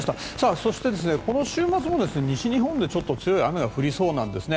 そして、この週末も西日本で強い雨が降りそうなんですね。